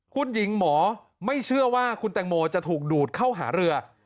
คุณหญิงหมอไม่เชื่อว่าคุณแตงโมจะถูกดูดเข้าหาเรือ